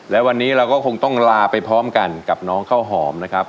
และวันนี้เราก็คงต้องลาไปพร้อมกันกับน้องข้าวหอมนะครับ